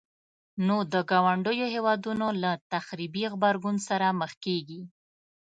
نو د ګاونډيو هيوادونو له تخريبي غبرګون سره مخ کيږي.